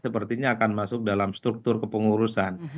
sepertinya akan masuk dalam struktur kepengurusan